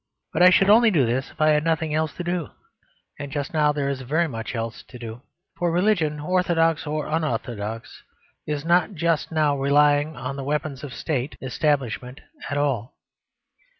But I should only do this if I had nothing else to do; and just now there is very much else to do. For religion, orthodox or unorthodox, is not just now relying on the weapon of State establishment at all.